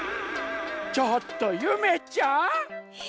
ちょっとゆめちゃん！？